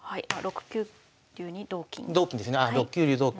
あ６九竜に同金。